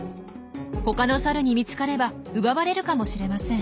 他のサルに見つかれば奪われるかもしれません。